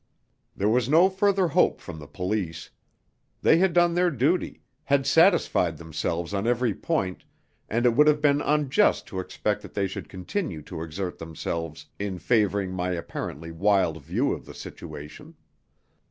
There was no further hope from the police. They had done their duty, had satisfied themselves on every point, and it would have been unjust to expect that they should continue to exert themselves in favouring my apparently wild view of the situation.